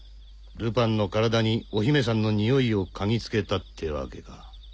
ルパンの体にお姫さんの匂いを嗅ぎつけたってわけか。